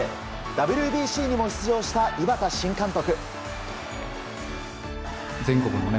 ＷＢＣにも出場した井端新監督。